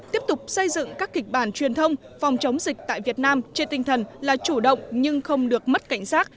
tiếp tục xây dựng các kịch bản truyền thông phòng chống dịch tại việt nam trên tinh thần là chủ động nhưng không được mất cảnh giác